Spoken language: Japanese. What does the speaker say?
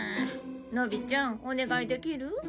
のびちゃんお願いできる？